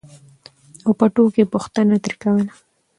او په ټوکو یې پوښتنه ترې کوله